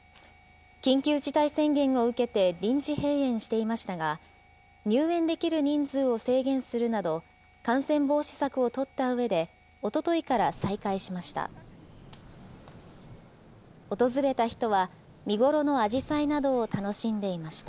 緊急事態宣言を受けて、臨時閉園していましたが、入園できる人数を制限するなど、感染防止策を取ったうえで、おとといから再開しました。